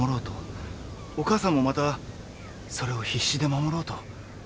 お母さんもまたそれを必死で守ろうと。